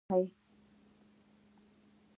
د جنګ او دښمنۍ اور ته لمن ونه وهي.